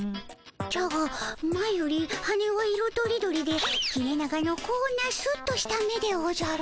じゃが前より羽は色とりどりで切れ長のこんなスッとした目でおじゃる。